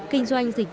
kinh doanh dịch vụ